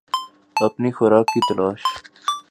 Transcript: اپنی خوراک کی تلاش